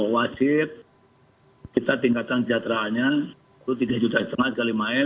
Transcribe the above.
wasit kita tingkatkan kejateraannya itu tiga lima juta sekali main